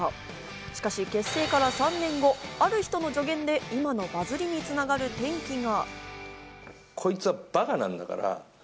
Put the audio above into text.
しかし結成から３年後、ある人の助言で今のバズりにつながる転機が。